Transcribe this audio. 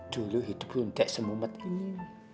dulu hidup lundek semumat ini